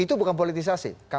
itu bukan politisasi